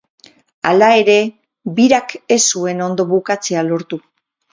Hala ere, birak ez zuen ondo bukatzea lortu.